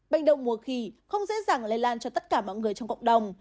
bệnh đậu mùa khỉ không dễ dàng lây lan cho tất cả mọi người trong cộng đồng